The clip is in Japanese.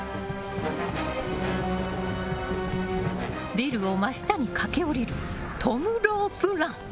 ビルを真下に駆け降りるトム・ロープ・ラン。